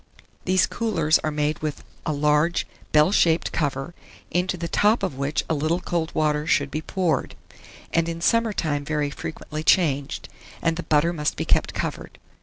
These coolers are made with a large bell shaped cover, into the top of which a little cold water should be poured, and in summer time very frequently changed; and the butter must be kept covered.